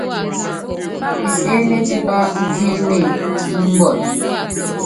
Esiéné tipá úpiéne kí mbɔl.